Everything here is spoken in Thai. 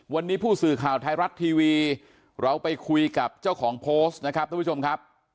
วันนี้ผู้สื่อข่าวไทยรัฐทีวีเราไปคุยกับเจ้าของโพสต์นะครับทุกผู้ชมครับ